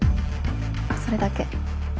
それだけ。